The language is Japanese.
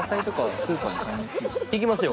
行きますよ